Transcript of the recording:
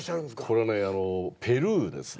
これはねペルーですね。